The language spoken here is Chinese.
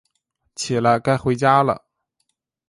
起来，该回家了